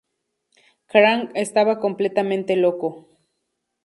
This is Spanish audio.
Krang estaba completamente loco.